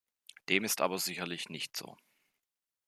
Dem ist aber sicherlich nicht so.